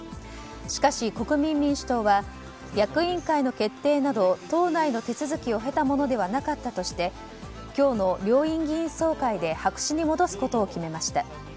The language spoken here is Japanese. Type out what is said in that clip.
しかし、国民民主党は役員会の決定など党内の手続きを経たものではなかったとして今日の両院議員総会で白紙に戻すことを決めました。